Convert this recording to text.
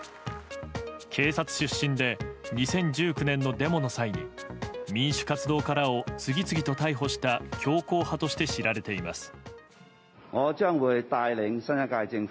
警察出身で２０１９年のデモの際に民主活動家らを次々と逮捕した強硬派として知られています。